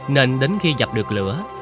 nên đến khi dập được lửa